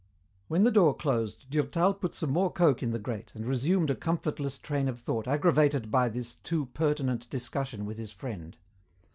When the door closed Durtal put some more coke in the grate and resumed a comfortless train of thought aggravated by this too pertinent discussion with his friend.